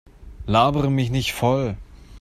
Labere mich nicht voll!